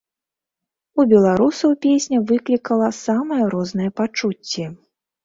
У беларусаў песня выклікала самыя розныя пачуцці.